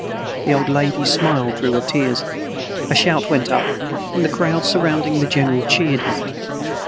The old lady smiled through her tears. A shout went up, and the crowds surrounding the general cheered him.